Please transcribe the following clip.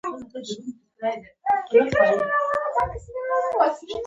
آیا دوی ژوندي لوبسټر چین ته نه لیږي؟